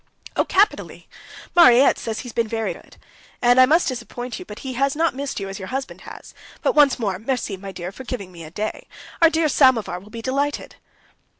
"Oh, capitally! Mariette says he has been very good, And ... I must disappoint you ... but he has not missed you as your husband has. But once more merci, my dear, for giving me a day. Our dear Samovar will be delighted."